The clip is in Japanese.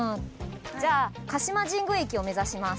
じゃあ鹿島神宮駅を目指します。